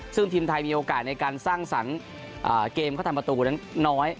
ซึ่งทีมไทยมีโอกาสในการสร้างสรรค์เกมเขาทำประตูนั้นน้อย